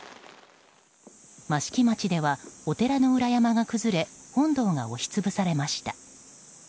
益城町では、お寺の裏山が崩れ本堂が押し潰されました。